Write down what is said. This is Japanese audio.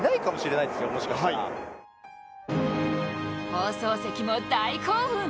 放送席も大興奮。